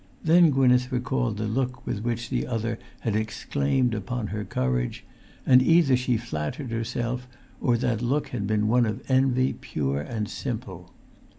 Then Gwynneth recalled the look with which the other had exclaimed upon her courage, and either she flattered herself, or that look had been one of envy pure and simple.